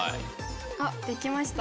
あできました！